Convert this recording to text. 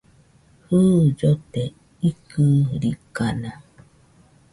Jɨ, llote ikɨrikana